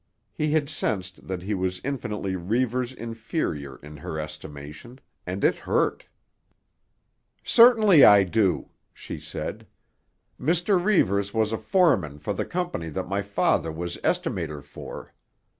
He had sensed that he was infinitely Reivers' inferior in her estimation, and it hurt. "Certainly I do," she said. "Mr. Reivers was a foreman for the company that my father was estimator for.